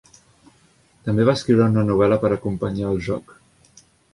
També va escriure una novel·la per acompanyar el joc.